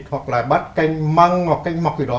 hoặc là bắt canh măng hoặc canh mọc gì đó